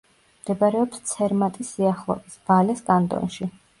მდებარეობს ცერმატის სიახლოვეს, ვალეს კანტონში.